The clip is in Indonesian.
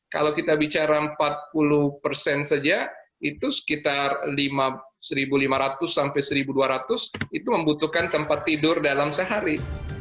kalau kita bicara empat puluh persen saja itu sekitar satu lima ratus sampai satu dua ratus itu membutuhkan tempat tidur dalam sehari